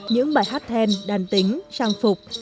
những bài hát then đàn tính trang phục